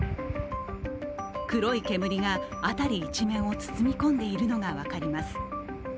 黒い煙が辺り一面を包み込んでいるのが分かります。